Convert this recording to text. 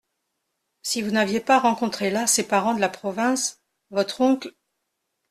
Si vous n’aviez pas rencontré là ces parents de la province… votre oncle…